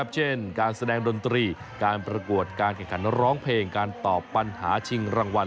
เช่นการแสดงดนตรีการประกวดการแข่งขันร้องเพลงการตอบปัญหาชิงรางวัล